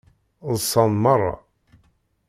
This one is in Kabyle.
Ḍṣan meṛṛa.